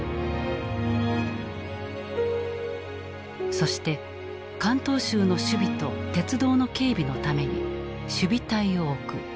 そして関東州の守備と鉄道の警備のために守備隊を置く。